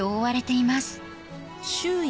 周囲